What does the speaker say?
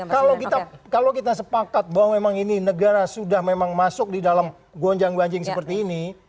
kalau kita sepakat bahwa memang ini negara sudah memang masuk di dalam gonjang gonjing seperti ini